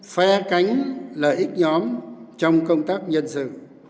phe cánh lợi ích nhóm trong công tác nhân sự